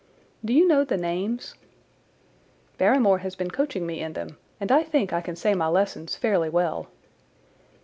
"Do you know the names?" "Barrymore has been coaching me in them, and I think I can say my lessons fairly well."